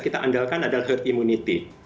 kita andalkan adalah herd immunity